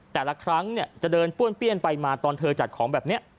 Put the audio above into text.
แต่ละครั้งเนี่ยจะเดินป้วนเปี้ยนไปมาตอนเธอจัดของแบบนี้